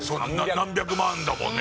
何百万だもんね。